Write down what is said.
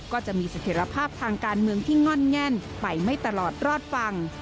ก็จะมีเสถียรภาพทางการเมืองที่ง่อนแง่นไปไม่ตลอดรอดฟัง